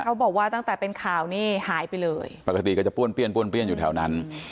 เขาบอกว่าตั้งแต่เป็นข่าวนี่หายไปเลยปกติก็จะป้วนเปี้ยนป้วนเปี้ยนอยู่แถวนั้น